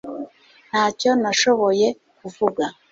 Ntacyo nashoboye kuvuga